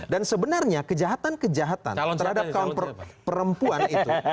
dan sebenarnya kejahatan kejahatan terhadap perempuan itu